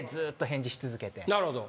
なるほど。